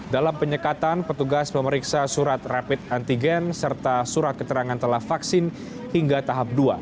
dalam penyekatan petugas memeriksa surat rapid antigen serta surat keterangan telah vaksin hingga tahap dua